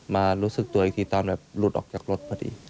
รู้สึกตัวอีกทีตอนแบบหลุดออกจากรถพอดี